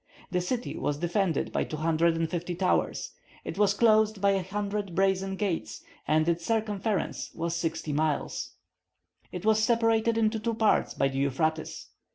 The city was defended by 250 towers; it was closed by a hundred brazen gates, and its circumference was sixty miles. It was separated into two parts by the Euphrates.